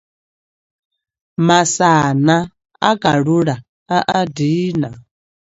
Masana a kalula a a dina.